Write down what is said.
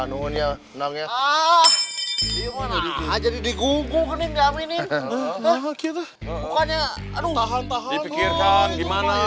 nunia nangis ah gimana jadi dikubur ini diaminin maksudnya aduh tahan tahan dipikirkan gimana